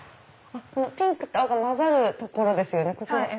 ピンクと青が混ざるところですよね。